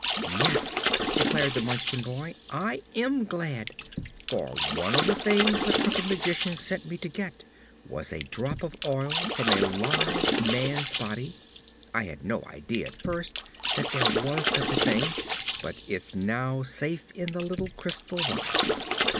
"Yes," declared the Munchkin boy, "I am glad. For one of the things the Crooked Magician sent me to get was a drop of oil from a live man's body. I had no idea, at first, that there was such a thing; but it's now safe in the little crystal vial."